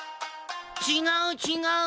ちがうちがう。